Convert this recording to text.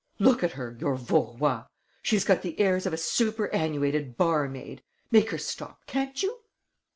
Look at her, your Vaurois! She's got the airs of a superannuated barmaid! Make her stop, can't you?"